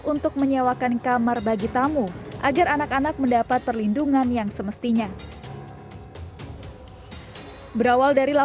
untuk menyewakan kamar bagi tamu agar anak anak mendapat perlindungan yang semestinya